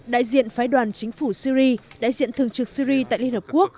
đại diện phái đoàn chính phủ syri đại diện thường trực syri tại liên hợp quốc